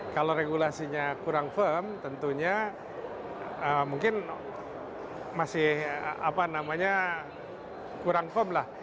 kalau regulasinya kurang firm tentunya mungkin masih kurang firm lah